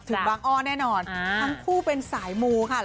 ถึงบางอ้อนแน่นอนทั้งคู่เป็นสายมูวชาตินะคะ